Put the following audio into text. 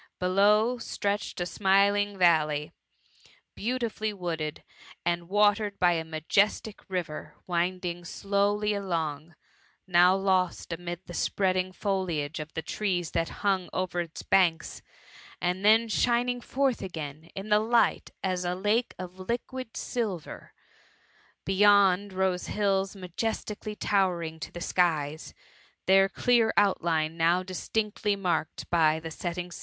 Below, stretched a smiling valley, beau tifully wooded, and watered by a majestic river winding dowly alo»g; now lost amidst the spreading foliage of the trees that hung «ver its banks, and then twining iforth dgdni in the light as a lake of liquid silver. Beymid, rofie iiiUi majestically towering to the skiei^^ their c^bar outline now dietkctly ttiarked by the setthg TH|i MUMMY.